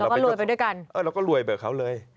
เราก็ลวยไปด้วยกันเออเราก็ลวยไปกับเขาเลย